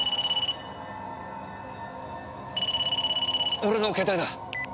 俺の携帯だ。